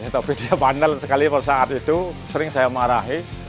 tapi dia pandal sekali pada saat itu sering saya marahi